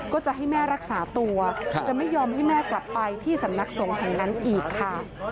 ก็จะให้แม่รักษาตัวจะไม่ยอมให้แม่กลับไปที่สำนักสงฆ์แห่งนั้นอีกค่ะ